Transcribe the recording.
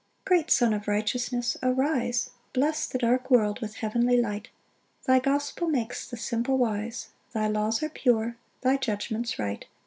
5 Great Sun of Righteousness, arise, Bless the dark world with heavenly light; Thy gospel makes the simple wise, Thy laws are pure, thy judgments right.